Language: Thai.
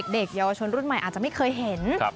เด็กเยาวชนรุ่นใหม่อาจจะไม่เคยเห็น